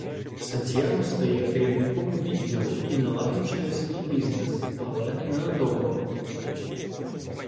Сантьяго стає керівником відділу і налагоджує свій бізнес, але ненадовго.